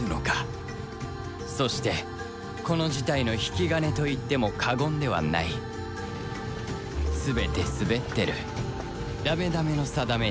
そしてこの事態の引き金と言っても過言ではない全てスベってるダメダメの定めに生まれし